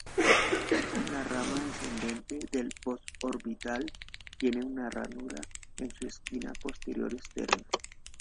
La rama descendente del postorbital tiene una ranura en su esquina posterior externa.